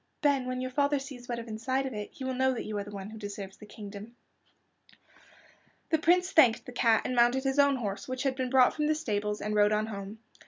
"Then, when your father sees what is inside of it he will know that you are the one who deserves the kingdom." The Prince thanked the cat, and mounted his own horse, which had been brought from the stables, and rode on home.